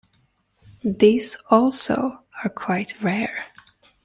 These, also, are quite rare.